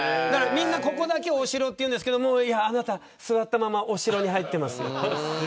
みんな、ここだけをお城と言うんですけど座ったままお城に入っています。